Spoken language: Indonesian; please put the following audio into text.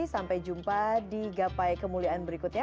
sampai jumpa di gapai kemuliaan berikutnya